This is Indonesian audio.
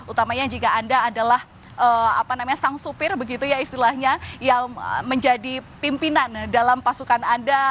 utamanya jika anda adalah sang supir begitu ya istilahnya yang menjadi pimpinan dalam pasukan anda